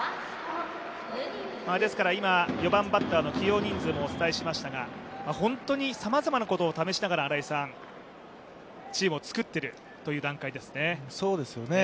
今、４番バッターの起用人数もお伝えしましたが本当にさまざまなことを試しながらチームを作っているという段階ですね。